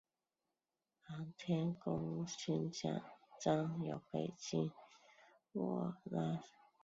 航天功勋奖章由北京握拉菲首饰有限公司设计制作。